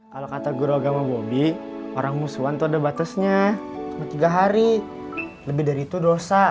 halo kata guru agama bobby orang musuhan tuh ada batasnya tiga hari lebih dari itu dosa